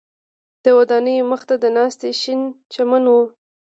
د ودانیو مخ ته د ناستي شین چمن و.